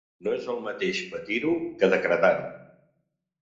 No és el mateix patir-ho que decretar-ho.